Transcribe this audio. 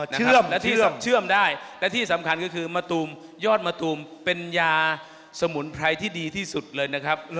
เชื่อมได้และที่สำคัญก็คือมะตูมยอดมะตูมเป็นยาสมุนไพรที่ดีที่สุดเลยนะครับ